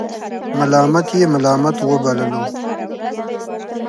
ملامت یې ملامت وبللو.